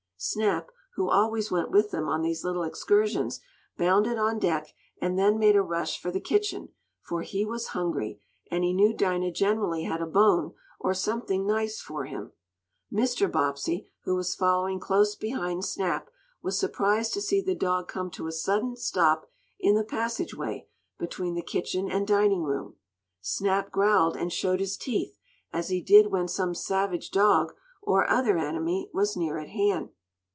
Snap, who always went with them on these little excursions, bounded on deck, and then made a rush for the kitchen, for he was hungry, and he knew Dinah generally had a bone, or something nice for him. Mr. Bobbsey, who was following close behind Snap, was surprised to see the dog come to a sudden stop in the passageway between the kitchen and dining room. Snap growled, and showed his teeth, as he did when some savage dog, or other enemy, was near at hand.